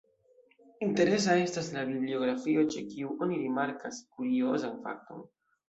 Interesa estas la bibliografio, ĉe kiu oni rimarkas kuriozan fakton.